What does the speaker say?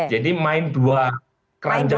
jadi main dua keranjang dulu